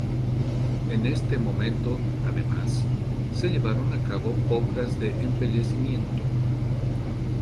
En este momento, además, se llevaron a cabo obras de embellecimiento.